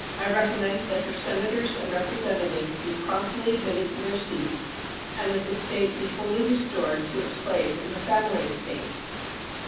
I recommend that her Senators and Representatives be promptly admitted to their seats, and that the State be fully restored to its place in the family of States.